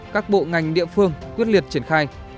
các bộ ngành địa phương quyết liệt triển khai